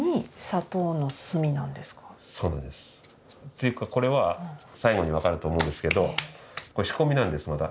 っていうかこれは最後に分かると思うんですけどこれ仕込みなんですまだ。